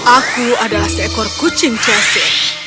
aku adalah seekor kucing cesing